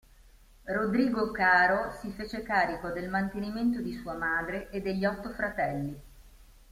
Rodrigo Caro si fece carico del mantenimento di sua madre e degli otto fratelli.